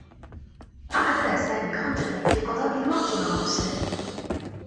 أعدّ سامي حجّة فقضاء الوقت مع أسرته.